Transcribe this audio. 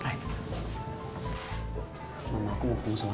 duh kebayang juga jadi reva ngadepin mamanya boy tuh kayaknya tuh susah ya